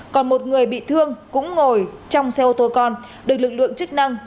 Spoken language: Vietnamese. còn một người bị thương cũng ngồi trong xe ô tô con được lực lượng chức năng